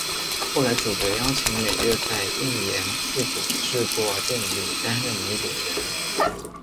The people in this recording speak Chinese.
后来主角邀请美月在映研自主制作电影里担任女主角。